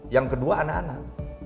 yang kedua anak anak